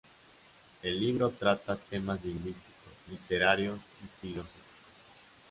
El libro trata temas lingüísticos, literarios y filosóficos.